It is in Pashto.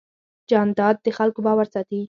جانداد د خلکو باور ساتي.